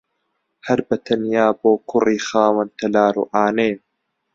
هەر بەتەنیا بۆ کوڕی خاوەن تەلار و عانەیە